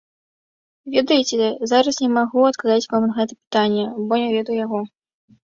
Ведаеце, зараз не магу адказаць вам на гэтае пытанне, бо не вяду яго.